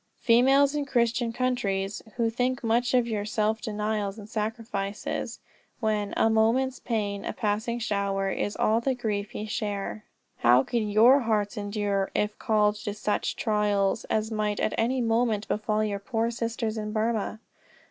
Females in Christian countries, who think much of your self denials and sacrifices, when 'A moment's pain, a passing shower, Is all the grief ye share,' how could your hearts endure if called to such trials, as might at any moment befall your poor sisters in Burmah!